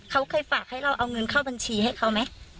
เขาเคยฝากให้เราเอาเงินเข้าบัญชีให้เขาไหม